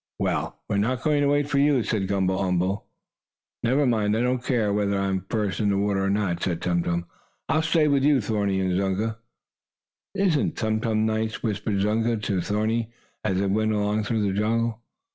"Well, we're not going to wait for you," said Gumble umble. "Never mind, I don't care whether I'm first in the water or not," said Tum Tum. "I'll stay with you, Thorny, and Zunga." "Isn't Tum Tum nice?" whispered Zunga to Thorny, as they went along through the jungle.